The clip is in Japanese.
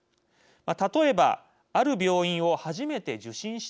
例えばある病院を初めて受診したとします。